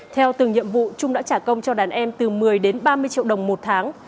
theo từng nhiệm vụ trung đã trả công cho đàn em từ một mươi đến ba mươi triệu đồng một tháng